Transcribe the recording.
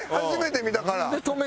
初めて見たから。